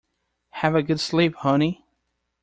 Have a good sleep honey.